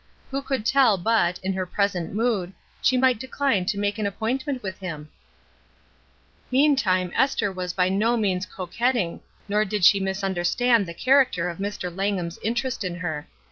Who could tell but, in her present mood, she might decline to make an appointment with him ? Meantime Esther was by no means coquet ting, nor did she misunderstand the character of Mr. Langham's interest in her.